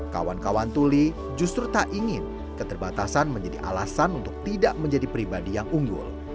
kawan kawan tuli justru tak ingin keterbatasan menjadi alasan untuk tidak menjadi pribadi yang unggul